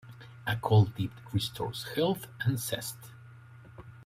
A cold dip restores health and zest.